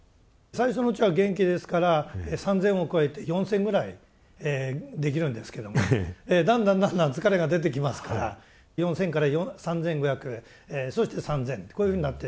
最初のうちは元気ですから３０００を超えて４０００ぐらいできるんですけどもだんだんだんだん疲れが出てきますから４０００から３５００そして３０００とこういうふうになっていきます。